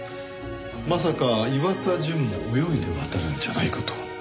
まさか岩田純も泳いで渡るんじゃないかと？